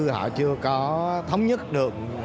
họ chưa có thống nhất được